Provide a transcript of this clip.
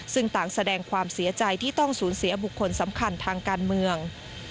ซึ่งต่างแสดงความเสียใจที่ต้องสูญเสียบุคคลสำคัญทางการเมือง